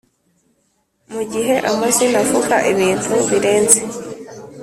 mu gihe amazina avuga ibintu birenze